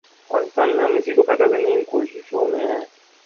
پاکستان میں ہم اسی کو پیدا کرنے کی کوشش میں رہے ہیں۔